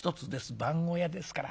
番小屋ですから。